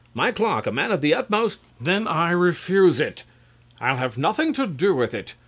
My clerk, a man of the utmost RICHARD. Then I refuse it. I'll have nothing to do with it.